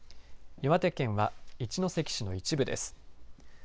岩手県は一関市の一部です。